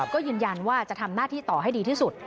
ก็ยืนยันว่าจะทำหน้าที่ต่อให้ดีที่สุด